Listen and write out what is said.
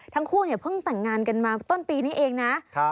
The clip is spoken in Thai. ทั้งคู่เนี่ยเพิ่งแต่งงานกันมาต้นปีนี้เองนะ